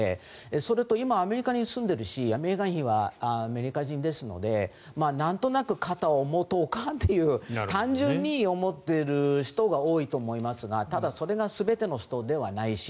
それと今、アメリカに住んでるしメーガン妃はアメリカ人ですのでなんとなく肩を持とうかという単純に思っている人が多いと思いますがただ、それが全ての人ではないし